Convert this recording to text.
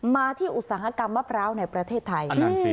มาที่อุตสางกรรมมะพร้าวในประเทศไทย